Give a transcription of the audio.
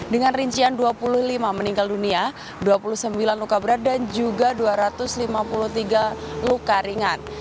dengan rincian dua puluh lima meninggal dunia dua puluh sembilan luka berat dan juga dua ratus lima puluh tiga luka ringan